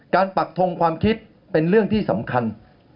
ปักทงความคิดเป็นเรื่องที่สำคัญ